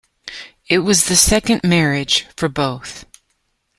It was the second marriage for both.